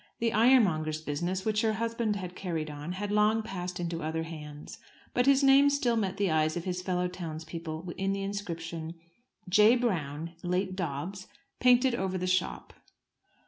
The ironmonger's business, which her husband had carried on, had long passed into other hands; but his name still met the eyes of his fellow townsmen in the inscription, "J. Brown, late Dobbs," painted over the shop.